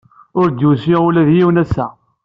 Ur d-yusi ula d yiwen ass-a.